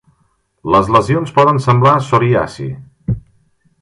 Les lesions poden semblar psoriasi.